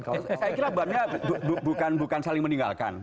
saya kira bebannya bukan saling meninggalkan